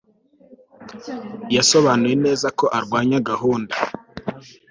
Yasobanuye neza ko arwanya gahunda